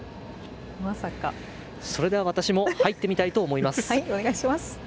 それでは私も入ってみたいと思います。